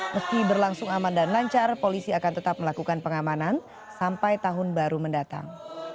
meski berlangsung aman dan lancar polisi akan tetap melakukan pengamanan sampai tahun baru mendatang